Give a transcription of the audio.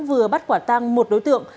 vừa bắt quả tang một đối tượng